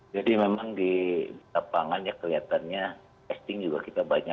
jadi memang di lapangannya kelihatannya testing juga kita banyak